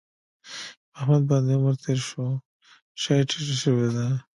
په احمد باندې عمر تېر شوی شا یې ټیټه شوې ده.